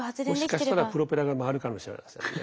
もしかしたらプロペラが回るかもしれませんね。